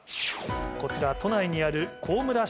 こちら都内にある。